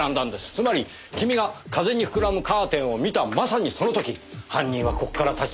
つまり君が風に膨らむカーテンを見たまさにその時犯人はここから立ち去ったのでしょう。